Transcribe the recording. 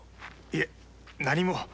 いえ何も。